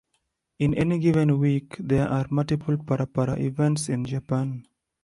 In any given week, there are multiple ParaPara events in Japan.